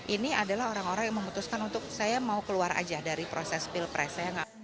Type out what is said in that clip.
ini adalah orang orang yang memutuskan untuk saya mau keluar aja dari proses pilpres